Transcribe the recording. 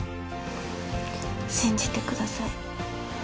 信じてください。